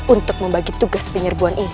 untuk membagi tugas penyerbuan ini